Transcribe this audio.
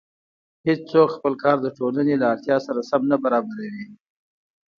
هېڅوک خپل کار د ټولنې له اړتیا سره سم نه برابروي